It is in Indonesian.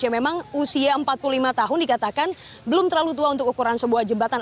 memang usia empat puluh lima tahun dikatakan belum terlalu tua untuk ukuran sebuah jembatan